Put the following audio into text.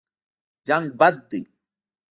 جنګ بد دی.